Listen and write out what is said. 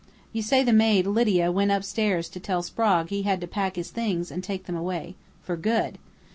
You say the maid, Lydia, went upstairs to tell Sprague he had to pack his things and take them away for good!...